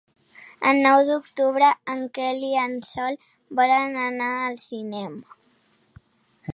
El nou d'octubre en Quel i en Sol volen anar al cinema.